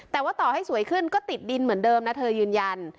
แต่ว่าต่อให้สวยขึ้นก็ติดดินเหมือนเดิมนะเธอยืนยัน